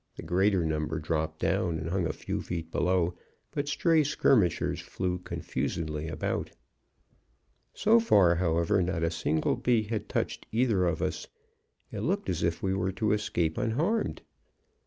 The greater number dropped down and hung a few feet below, but stray skirmishers flew confusedly about. "So far, however, not a single bee had touched either of us. It looked as if we were to escape unharmed.